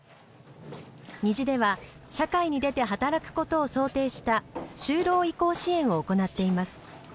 にじでは社会に出て働くことを想定した就労移行支援を行っています。